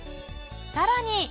さらに。